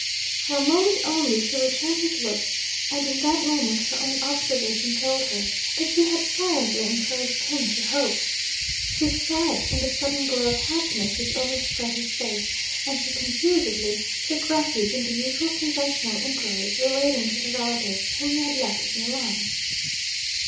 For a moment only, she returned his look; and in that moment her own observation told her that she had silently encouraged him to hope. She saw it in the sudden glow of happiness which overspread his face; and she confusedly took refuge in the usual conventional inquiries relating to the relatives whom he had left at Milan.